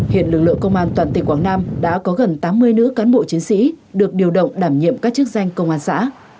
hiện lực lượng công an toàn tỉnh quảng nam đã có gần tám mươi nữ cán bộ chiến sĩ được điều động đảm nhiệm các chức danh công an xã